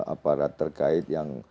aparat terkait yang